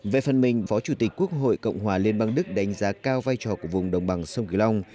về phần mình phó chủ tịch quốc hội cộng hòa liên bang đức đánh giá cao vai trò của vùng đồng bằng sông kiều long